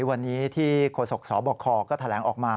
วันนี้ที่โฆษกสบคก็แถลงออกมา